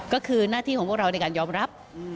ก็คือหน้าที่ของพวกเราในการยอมรับ